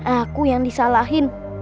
aku yang disalahin